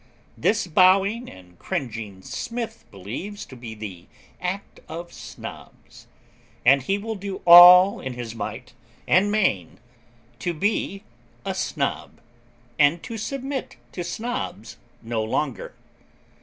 This bowing and cringing Smith believes to be the act of Snobs; and he will do all in his might and main to be a Snob and to submit to Snobs no longer.